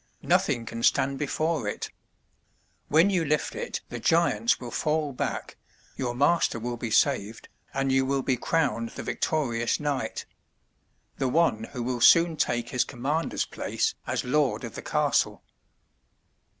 Nothing can stand before it. When you lift it the giants will fall back, your master will be saved, and you will be crowned the victorious knight — ^the one who will soon take his commander's place as lord of the castle."